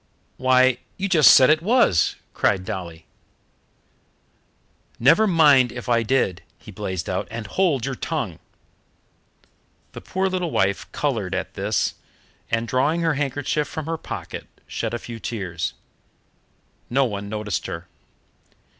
"Why, you just said it was!" cried Dolly. "Never mind if I did," he blazed out; "and hold your tongue." The poor little wife coloured at this, and, drawing her handkerchief from her pocket, shed a few tears. No one noticed her.